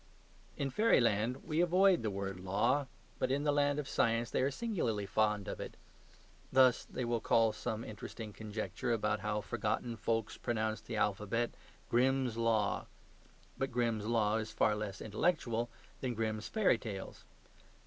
In fairyland we avoid the word "law"; but in the land of science they are singularly fond of it. Thus they will call some interesting conjecture about how forgotten folks pronounced the alphabet, Grimm's Law. But Grimm's Law is far less intellectual than Grimm's Fairy Tales.